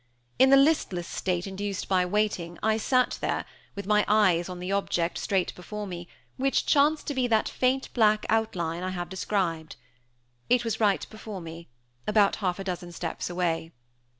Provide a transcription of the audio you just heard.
In the listless state induced by waiting, I sat there, with my eyes on the object straight before me, which chanced to be that faint black outline I have described. It was right before me, about half a dozen steps away.